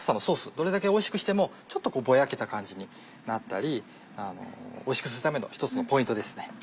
どれだけおいしくしてもちょっとぼやけた感じになったりおいしくするための一つのポイントですね。